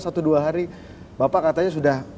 satu dua hari bapak katanya sudah